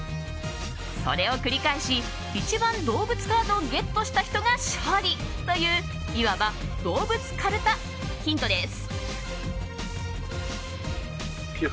それを繰り返し一番動物カードをゲットした人が勝利といういわば動物かるたヒントです。